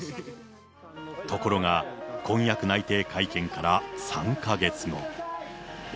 ところが、婚約内定会見から３か月後。